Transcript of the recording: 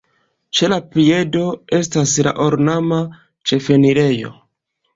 Ĉe la piedo estas la ornama ĉefenirejo.